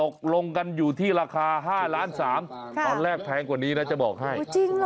เพียงกว่านี้นะจะบอกให้